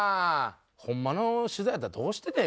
ホンマの取材やったらどうしててん？